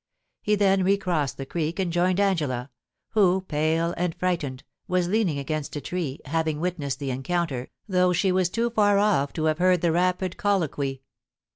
He then recrossed the creek and joined Angela, who, pale and frightened, was leaning against a tree, having witnessed the encounter, though she was too far off to have heard the rapid colloquy.